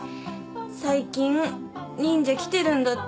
最近忍者きてるんだって。